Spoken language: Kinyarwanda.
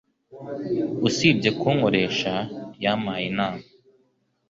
Usibye kunkoresha, yampaye inama